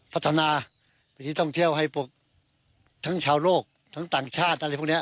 พัฒนาเป็นที่ท่องเที่ยวให้พวกทั้งชาวโลกทั้งต่างชาติอะไรพวกนี้